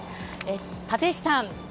立石さん